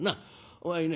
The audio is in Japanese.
お前ね